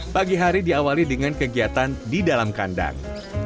pagi hari diawali dengan kegiatan di dalam kandang